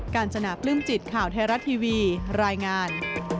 การจนาปลื้มจิตข่าวไทยรัฐทีวีรายงาน